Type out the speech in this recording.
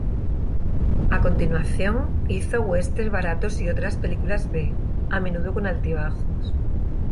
A continuación, hizo muchos westerns baratos y otras películas B, a menudo con altibajos.